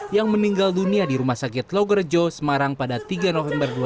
yang meninggal dunia di rumah sakit logerejo semarang pada tiga november dua ribu dua puluh